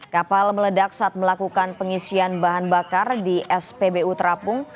kapal meledak saat melakukan pengisian bahan bakar di spbu terapung